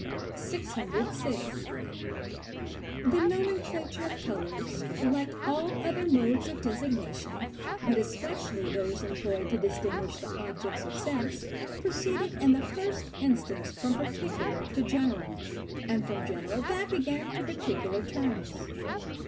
606. The nomenclature of colours, like all other modes of designation, but especially those employed to distinguish the objects of sense, proceeded in the first instance from particular to general, and from general back again to particular terms.